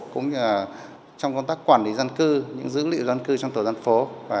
cũng như trong công tác quản lý dân cư những dữ liệu dân cư trong tổ dân phố